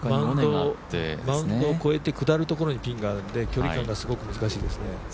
マウンドを越えて下るところにピンがあるんで距離感がすごく難しいですね。